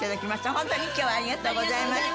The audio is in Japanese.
ホントに今日はありがとうございました。